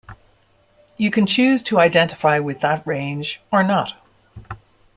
You can choose to identify with that range or not.